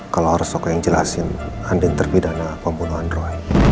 kalau harus aku yang jelasin andin terpidana pembunuh android